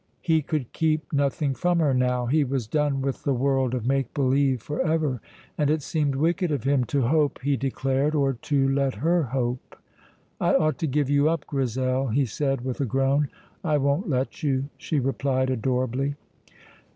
He could keep nothing from her now; he was done with the world of make believe for ever. And it seemed wicked of him to hope, he declared, or to let her hope. "I ought to give you up, Grizel," he said, with a groan. "I won't let you," she replied adorably.